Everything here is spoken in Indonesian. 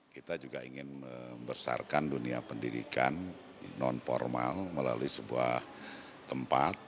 kita juga ingin membesarkan dunia pendidikan non formal melalui sebuah tempat